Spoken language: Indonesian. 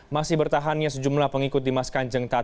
masih bertahannya sejumlah pengikut di maskan jengtaat